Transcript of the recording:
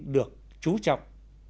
được chú trọng